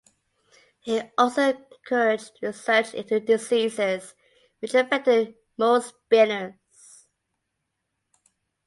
He also encouraged research into diseases which affected mule spinners.